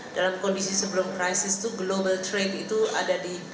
dalam kondisi sebelum krisis itu global trade itu ada di